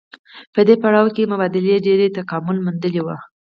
په دې پړاو کې مبادلې ډېر تکامل موندلی وو